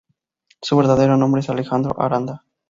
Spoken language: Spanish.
Su verdadero nombre es Alejandro Aranda.